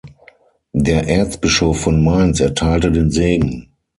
Der Erzbischof von Mainz erteilte den Segen.